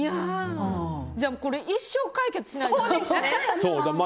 じゃあこれ、一生解決しないですね。